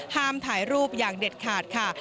ห้ามถ่ายรูปอย่างเด็ดขาดค่ะ